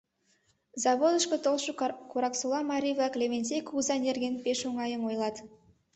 Заводышко толшо Кораксола марий-влак Левентей кугыза нерген пеш оҥайым ойлат.